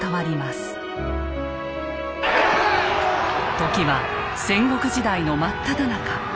時は戦国時代のまっただ中。